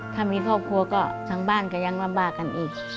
ถ้ามีครอบครัวก็ทางบ้านก็ยังลำบากกันอีก